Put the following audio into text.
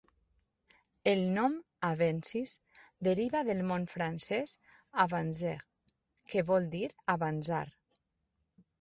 El nom "Avensis" deriva del mot francès "avancer", que vol dir "avançar".